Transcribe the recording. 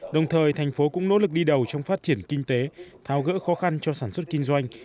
đồng thời thành phố cũng nỗ lực đi đầu trong phát triển kinh tế thao gỡ khó khăn cho sản xuất kinh doanh